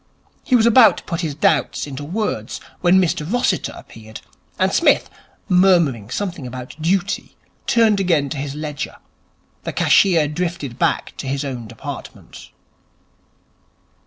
He was about to put his doubts into words when Mr Rossiter appeared, and Psmith, murmuring something about duty, turned again to his ledger. The cashier drifted back to his own department.